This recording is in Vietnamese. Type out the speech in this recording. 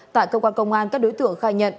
tại cơ quan công an các đối tượng khai nhận